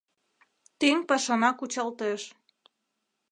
Тӱҥ пашана кучалтеш...